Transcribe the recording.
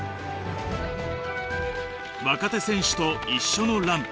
若手選手と一緒のラン。